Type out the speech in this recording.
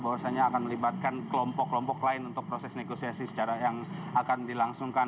bahwasannya akan melibatkan kelompok kelompok lain untuk proses negosiasi yang akan dilangsungkan